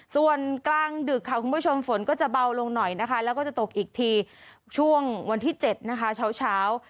ส่วนกลางดึกค่ะคุณผู้ชมฝนก็จะเบาลงหน่อยนะคะแล้วก็จะตกอีกทีช่วงวันที่๗นะคะเช้า